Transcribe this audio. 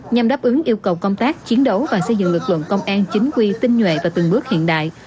nhằm đáp ứng yêu cầu công tác chiến đấu và xây dựng lực lượng công an chính quy tinh nhuệ và từng bước hiện đại